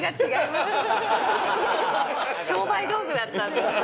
商売道具だったので。